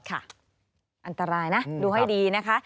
อันตรายนะดูให้ดีนะคะ